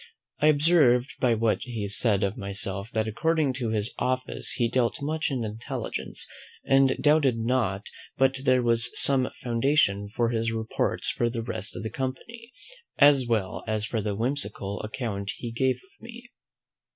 I observed by what he said of myself, that according to his office he dealt much in intelligence; and doubted not but there was some foundation for his reports for the rest of the company, as well as for the whimsical account he gave of me.